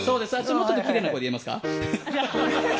もうちょっときれいな声でいいですか。